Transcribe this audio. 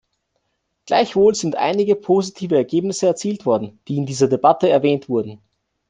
Gleichwohl sind einige positive Ergebnisse erzielt worden, die in dieser Debatte erwähnt wurden.